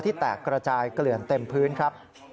แตกระจายเกลื่อนเต็มพื้นครับ